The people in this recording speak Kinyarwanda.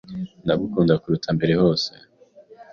Ndagukunda kuruta mbere hose.